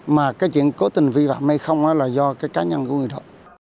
mà cái chuyện cố tình vi phạm hay không là do cái cá nhân của người đó